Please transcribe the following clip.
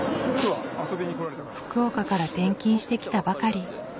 福岡から転勤してきたばかり。